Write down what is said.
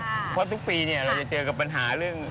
เพราะทุกปีเราจะเจอกับปัญหาเรื่อง